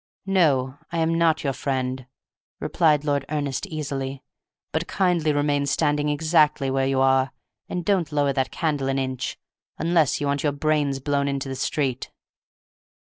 "No, I am not your friend," replied Lord Ernest, easily; "but kindly remain standing exactly where you are, and don't lower that candle an inch, unless you want your brains blown into the street."